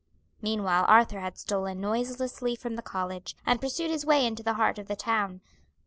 Meanwhile Arthur had stolen noiselessly from the college, and pursued his way into the heart of the town.